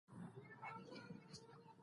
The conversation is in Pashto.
غمونه له وخته وړاندې د انسان وېښته سپینوي.